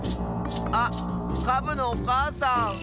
カブのおかあさん！